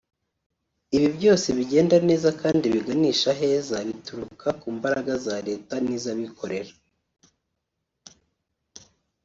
Ibi byose bigenda neza kandi biganisha aheza bituruka mu mbaraga za leta n’izabikorera